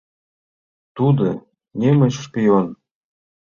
Тудо немыч шпион!